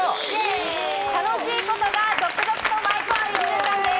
楽しいことが続々と舞い込む１週間です。